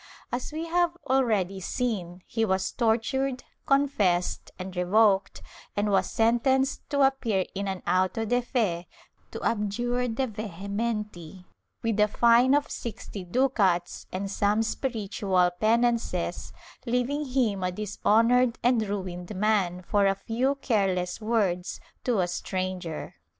As we have already seen, he was tortured, confessed and revoked and was sentenced to appear in an auto de fe, to abjure de vehementi, with a fine of sixty ducats and some spiritual penances, leaving him a dishon ored and ruined man for a few careless words to a stranger.